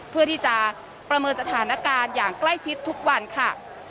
เพื่อที่จะประเมินสถานการณ์อย่างใกล้ชิดทุกวันค่ะ